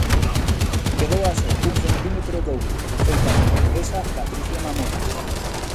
Quedou a só un centímetro do ouro, que foi para a portuguesa Patricia Mamona.